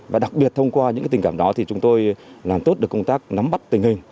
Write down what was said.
và đặc biệt thông qua những tình cảm đó thì chúng tôi làm tốt được công tác nắm bắt tình hình